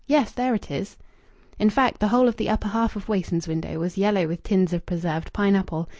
Yes, there it is!" In fact, the whole of the upper half of Wason's window was yellow with tins of preserved pineapple.